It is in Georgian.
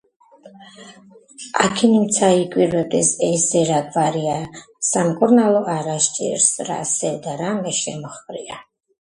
აქიმნიცა იკვირვებდეს: ესე რა გვარია? სამკურნალო არა სჭირს რა სევდა რამე შემოჰყრია.